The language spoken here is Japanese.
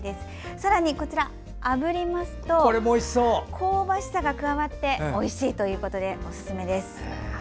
さらに、あぶりますと香ばしさも加わっておいしいということでおすすめです。